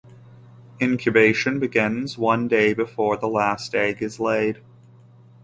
Incubation begins one day before the last egg is laid.